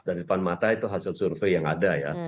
dari depan mata itu hasil survei yang ada ya